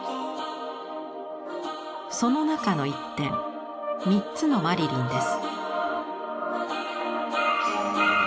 その中の一点「３つのマリリン」です。